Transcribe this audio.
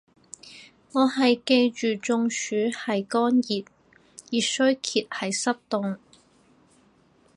我係記住中暑係乾熱，熱衰竭係濕凍